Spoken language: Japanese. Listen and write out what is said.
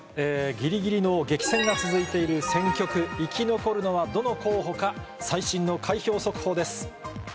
ぎりぎりの激戦が続いている選挙区、生き残るのはどの候補か、最新の開票速報です。